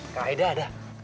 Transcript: kak aida ada